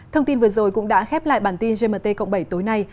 thông tin vừa rồi cũng đã khép lại bản tin gmt cộng bảy tối nay